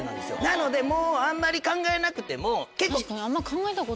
なのでもうあんまり考えなくても。